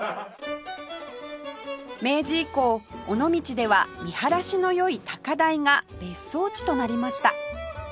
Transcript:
明治以降尾道では見晴らしの良い高台が別荘地となりました